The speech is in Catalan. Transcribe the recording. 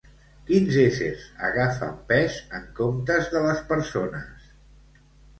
Quins éssers agafen pes en comptes de les persones?